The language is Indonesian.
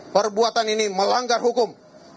perbuatan ini melanggar hukum